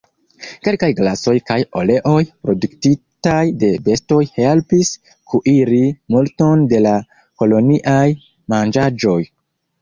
Kelkaj grasoj kaj oleoj produktitaj de bestoj helpis kuiri multon da la koloniaj manĝaĵoj.